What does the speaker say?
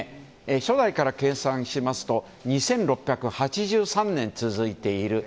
初代から計算しますと２６８３年続いている。